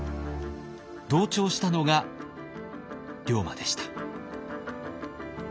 同調したのが龍馬でした。